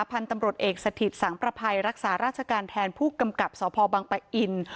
พันธุ์ตำรวจเอกสถิตสังประภัยรักษาราชการแทนผู้กำกับสพบังปะอิน